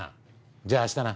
じゃあ明日な。